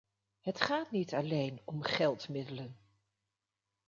Het gaat niet alleen om geldmiddelen.